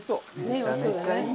ねっおいしそうだね。